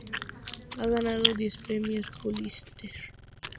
Ha ganado diez Premios Pulitzer.